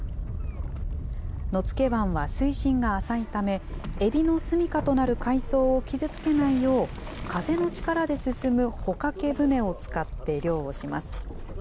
野付湾は水深が浅いため、エビの住みかとなる海藻を傷つけないよう、風の力で進む帆掛け船を使って漁をします。